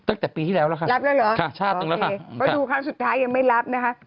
ตั้งแต่ปีที่แล้วแล้วค่ะรับแล้วเหรอชาติตรงแล้วค่ะเขาดูครั้งสุดท้ายยังไม่รับนะคะ